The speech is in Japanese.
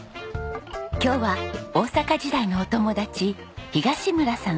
今日は大阪時代のお友達東村さん